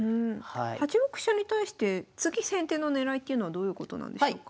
８六飛車に対して次先手の狙いっていうのはどういうことなんでしょうか？